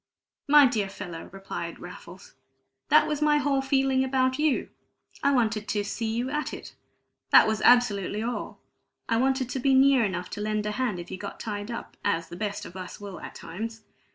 "My dear fellow," replied Raffles, "that was my whole feeling about you. I wanted to 'see you at it' that was absolutely all. I wanted to be near enough to lend a hand if you got tied up, as the best of us will at times.